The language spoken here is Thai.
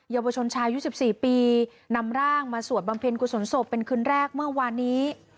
ยาวชนชายุ๑๔ปีนำร่างมาสวดบำเพ็ญกุศลศพเป็นคืนแรกเมื่อวานนี้